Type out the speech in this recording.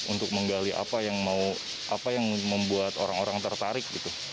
untuk menggali apa yang membuat orang orang tertarik